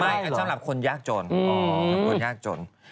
ไม่สำหรับคนยากจน